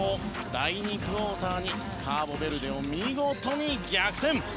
第２クオーターにカーボベルデを見事に逆転！